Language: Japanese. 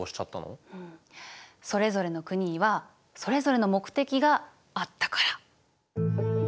それぞれの国にはそれぞれの目的があったから。